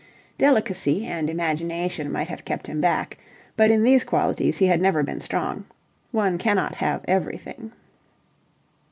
Delicacy and imagination might have kept him back, but in these qualities he had never been strong. One cannot have everything.